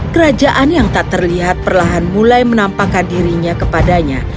kerajaan yang tak terlihat perlahan mulai menampakkan dirinya kepadanya